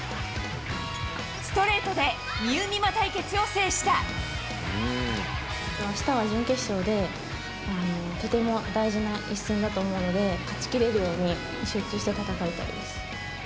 ストレートで、あしたは準決勝で、とても大事な一戦だと思うので、勝ちきれるように、集中して戦いたいです。